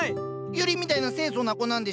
ユリみたいな清楚な子なんでしょ。